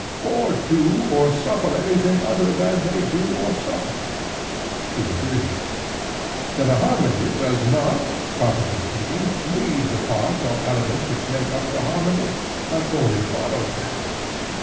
Or do or suffer anything other than they do or suffer? He agreed. Then a harmony does not, properly speaking, lead the parts or elements which make up the harmony, but only follows them.